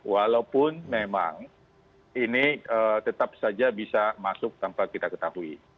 walaupun memang ini tetap saja bisa masuk tanpa kita ketahui